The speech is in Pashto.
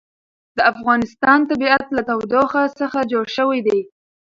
د افغانستان طبیعت له تودوخه څخه جوړ شوی دی.